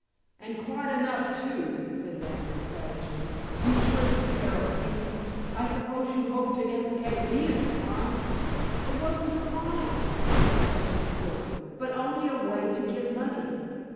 "And quite enough, too," said Lambert savagely. "You tricky pair of beasts; I suppose you hoped to implicate me in the crime?" "It wasn't a crime," protested Silver; "but only a way to get money.